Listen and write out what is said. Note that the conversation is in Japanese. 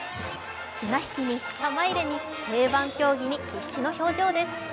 綱引きに玉入れに、定番競技に必死の表情です。